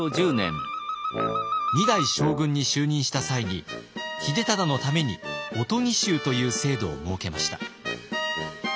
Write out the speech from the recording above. ２代将軍に就任した際に秀忠のために御伽衆という制度を設けました。